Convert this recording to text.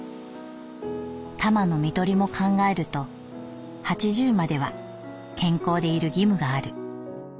タマの看取りも考えると八十までは健康でいる義務がある。